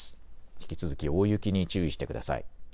引き続き大雪に注意してください。